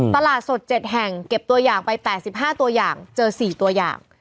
ตลาดสด๗แห่งเก็บตัวอย่างไป๘๕ตัวอย่างเจอ๔ตัวอย่าง